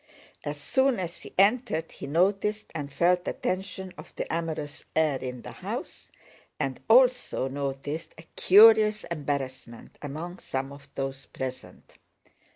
As soon as he entered he noticed and felt the tension of the amorous air in the house, and also noticed a curious embarrassment among some of those present.